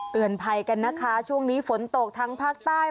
เตือนภัยกันนะคะช่วงนี้ฝนตกทั้งภาคใต้